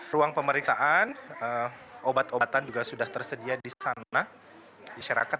ruang pemeriksaan obat obatan juga sudah tersedia di sana di syarikat